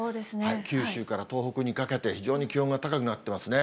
九州から東北にかけて、非常に気温が高くなってますね。